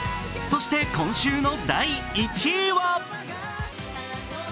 そして、今週の第１位は？